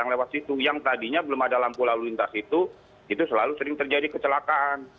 yang lewat situ yang tadinya belum ada lampu lalu lintas itu itu selalu sering terjadi kecelakaan